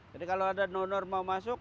jadi kalau ada nonor mau masuk